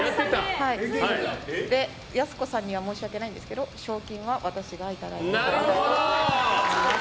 やす子さんには申し訳ないんですけど賞金は私がいただいて帰りたいと思います。